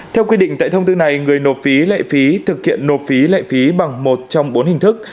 theo quy định tại thông tư này người nộp phí lệ phí thực hiện nộp phí lệ phí bằng một trong bốn hình thức